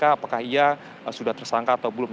apakah ia sudah tersangka atau belum